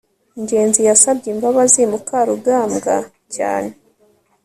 ngenzi yasabye imbabazi mukarugambwa cyane